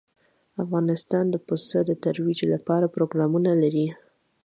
افغانستان د پسه د ترویج لپاره پروګرامونه لري.